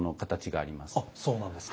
あそうなんですか。